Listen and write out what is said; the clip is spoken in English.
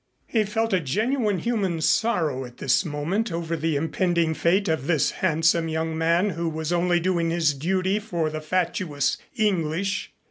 He felt a genuine human sorrow at this moment over the impending fate of this handsome young man who was only doing his duty for the fatuous English.